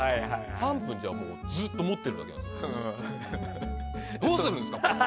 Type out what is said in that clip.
３分だとずっと思ってるわけでどうするんですか！